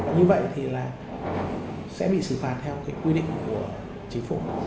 như vậy thì là sẽ bị xử phạt theo quy định của chính phủ